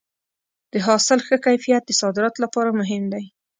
د حاصل ښه کیفیت د صادراتو لپاره مهم دی.